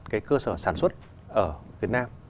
cái cơ sở sản xuất ở việt nam